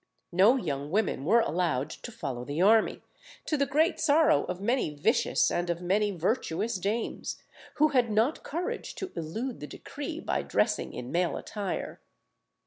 No young women were allowed to follow the army, to the great sorrow of many vicious and of many virtuous dames, who had not courage to elude the decree by dressing in male attire.